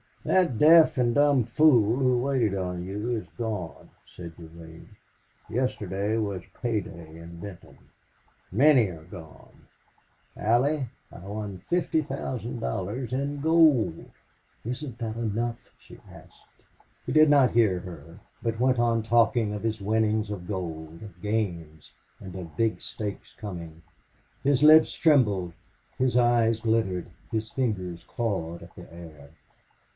"That deaf and dumb fool who waited on you is gone," said Durade. "Yesterday was pay day in Benton... Many are gone... Allie, I won fifty thousand dollars in gold!" "Isn't that enough?" she asked. He did not hear her, but went on talking of his winnings, of gold, of games, and of big stakes coming. His lips trembled, his eyes glittered, his fingers clawed at the air.